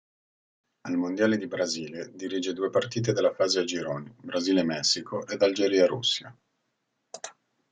Al mondiale di Brasile dirige due partite della fase a gironi: Brasile-Messico ed Algeria-Russia.